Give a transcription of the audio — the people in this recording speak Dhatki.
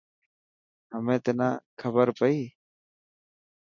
همي تنا کبر پئي.